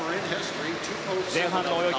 前半の泳ぎ